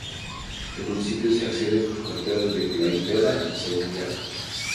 Al municipio se accede por carretera desde Klaipėda y Šiauliai.